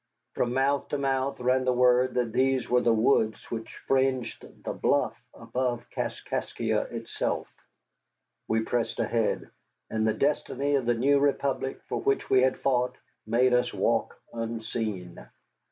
From mouth to mouth ran the word that these were the woods which fringed the bluff above Kaskaskia itself. We pressed ahead, and the destiny of the new Republic for which we had fought made us walk unseen.